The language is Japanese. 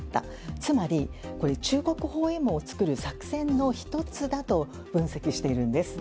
つまり、中国包囲網を作る作戦の１つだと分析しているんです。